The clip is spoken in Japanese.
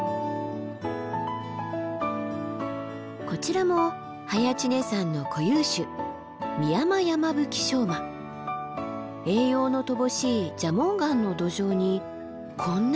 こちらも早池峰山の固有種栄養の乏しい蛇紋岩の土壌にこんなにも固有種があるんだ。